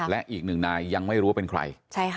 และอีกหนึ่งนายยังไม่รู้ว่าเป็นใคร